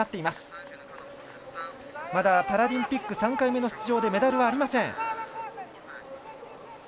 まだ、パラリンピック３回目の出場でメダルはありません。